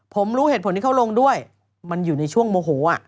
ผมรู้เหตุผลที่เขาลงด้วยมันอยู่ในช่วงโมโห